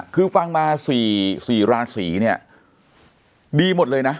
คือฟังมา๔ราศีเนี่ยดีหมดเลยนะ